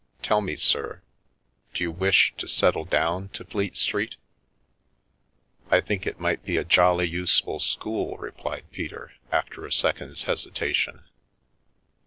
" Tell me, sir, d'you wish to settle down to Fleet Street ?"" I think it might be a jolly useful school," replied Peter, after a second's hesitation.